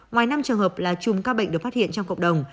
ngoài năm trường hợp là chùm ca bệnh được phát hiện trong cộng đồng